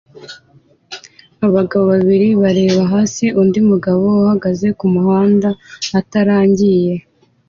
Abagabo babiri bareba hasi undi mugabo uhagaze kumuhanda utarangiye